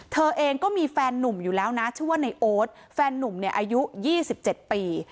เธอเองก็มีแฟนหนุ่มอยู่แล้วนะชื่อว่าในโอ๊ตแฟนนุ่มเนี่ยอายุ๒๗ปี